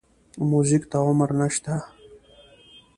موزیک ته عمر نه شته.